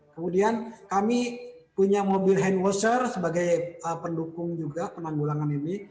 kemudian kami punya mobil hand waser sebagai pendukung juga penanggulangan ini